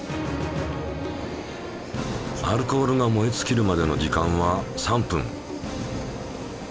アルコールが燃えつきるまでの時間は３分。